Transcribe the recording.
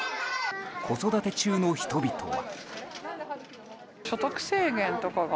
子育て中の人々は。